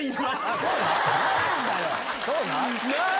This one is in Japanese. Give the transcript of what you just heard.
そうなん？